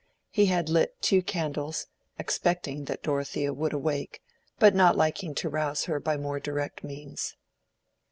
He had lit two candles, expecting that Dorothea would awake, but not liking to rouse her by more direct means.